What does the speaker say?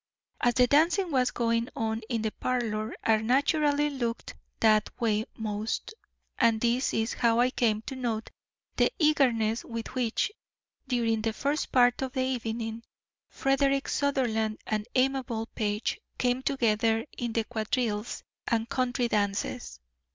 As the dancing was going on in the parlour I naturally looked that way most, and this is how I came to note the eagerness with which, during the first part of the evening, Frederick Sutherland and Amabel Page came together in the quadrilles and country dances.